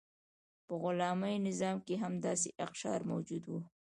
په غلامي نظام کې هم داسې اقشار موجود وو.